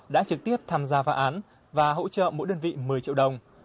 đã trực tiếp tham gia phá án và hỗ trợ mỗi đơn vị một mươi triệu đồng